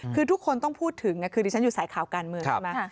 คือทุกคนต้องพูดถึงคือดิฉันอยู่สายข่าวการเมืองใช่ไหม